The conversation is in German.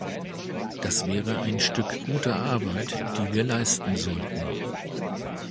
Das wäre ein Stück guter Arbeit, die wir leisten sollten.